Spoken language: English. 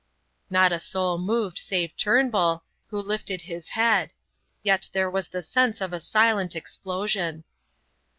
Not a soul moved save Turnbull, who lifted his head; yet there was the sense of a silent explosion.